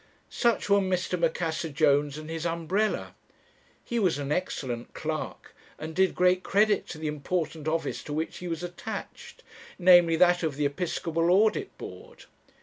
"Such were Mr. Macassar Jones and his umbrella. He was an excellent clerk, and did great credit to the important office to which he was attached namely, that of the Episcopal Audit Board.